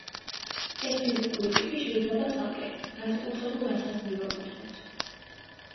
ეს ფიზიკური ტიპი შეიძლება ცალკე, განსაკუთრებულ რასას მივაკუთვნოთ.